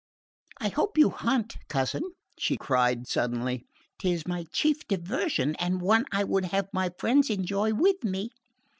I hope you hunt, cousin?" she cried suddenly. "'Tis my chief diversion and one I would have my friends enjoy with me.